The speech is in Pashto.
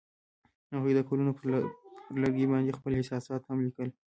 هغوی د ګلونه پر لرګي باندې خپل احساسات هم لیکل.